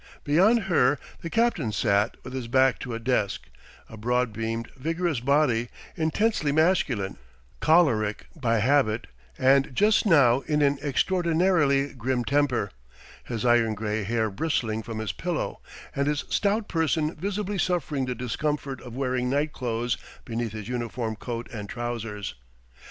Beyond her, the captain sat with his back to a desk: a broad beamed, vigorous body, intensely masculine, choleric by habit, and just now in an extraordinarily grim temper, his iron gray hair bristling from his pillow, and his stout person visibly suffering the discomfort of wearing night clothes beneath his uniform coat and trousers.